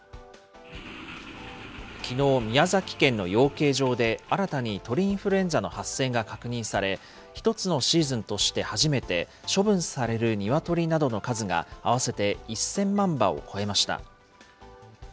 きのう、宮崎県の養鶏場で新たに鳥インフルエンザの発生が確認され、１つのシーズンとして初めて、処分されるニワトリなどの数が合わせて１０００万羽を超えました。